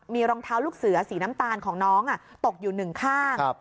มีรองเท้าลูกเสือสีน้ำตาลของน้องตกอยู่หนึ่งข้าง